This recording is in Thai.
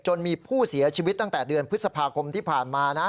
มีผู้เสียชีวิตตั้งแต่เดือนพฤษภาคมที่ผ่านมานะ